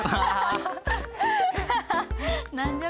何じゃ？